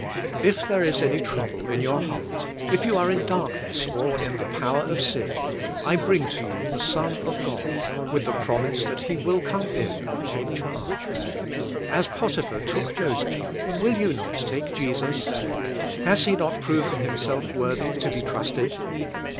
If there is any trouble in your heart, if you are 104 THE COMPLETE SURRENDER in darkness, or in the power of sin, I bring to 3^ou the Son of God, with the promise that He will come in and take charge. As Potiphar took Joseph, will you not take Jesus? Has He not proven Himself worthy to be trusted?